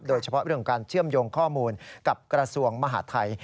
โดยเฉพาะเรื่องการเชื่อมโยงข้อมูลกับกระทรวงมหาทัย